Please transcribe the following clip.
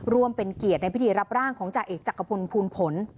ร่วมเป็นเกียรติในพิธีรับร่างของจ่าเอกจักรพลภูลผล